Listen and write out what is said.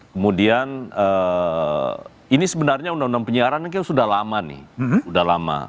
kemudian ini sebenarnya undang undang penyiaran kan sudah lama nih